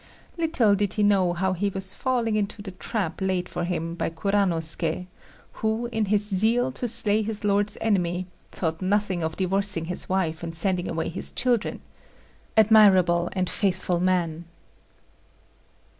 Little did he think how he was falling into the trap laid for him by Kuranosuké, who, in his zeal to slay his lord's enemy, thought nothing of divorcing his wife and sending away his children! Admirable and faithful man!